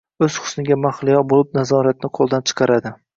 O‘z husniga mahliyo bo‘lib, nazoratni qo‘ldan chiqaradi.